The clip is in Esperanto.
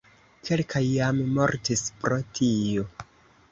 Kelkaj jam mortis pro tio.